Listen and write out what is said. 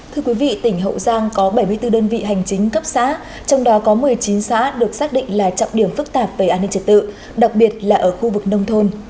thưa quý vị tỉnh hậu giang có bảy mươi bốn đơn vị hành chính cấp xã trong đó có một mươi chín xã được xác định là trọng điểm phức tạp về an ninh trật tự đặc biệt là ở khu vực nông thôn